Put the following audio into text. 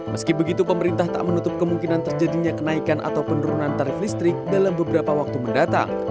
meski begitu pemerintah tak menutup kemungkinan terjadinya kenaikan atau penurunan tarif listrik dalam beberapa waktu mendatang